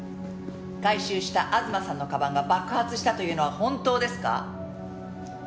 回収した東さんの鞄が爆発したというのは本当ですか？